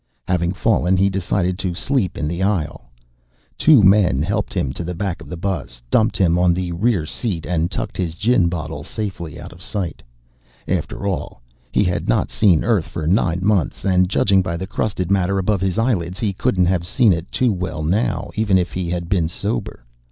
Having fallen, he decided to sleep in the aisle. Two men helped him to the back of the bus, dumped him on the rear seat, and tucked his gin bottle safely out of sight. After all, he had not seen Earth for nine months, and judging by the crusted matter about his eyelids, he couldn't have seen it too well now, even if he had been sober.